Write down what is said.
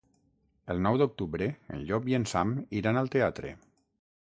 El nou d'octubre en Llop i en Sam iran al teatre.